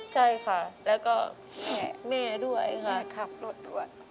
ใช่ค่ะแล้วก็แม่ด้วยค่ะขับรถด้วย